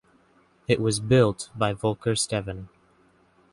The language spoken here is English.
It was built by Volker Stevin.